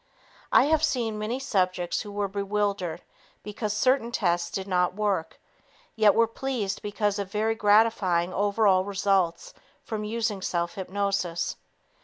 I have seen many subjects who were bewildered because certain tests did not work, yet were pleased because of very gratifying overall results from using self hypnosis.